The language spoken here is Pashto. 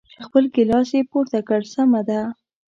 خپل ګیلاس یې پورته کړ، سمه ده.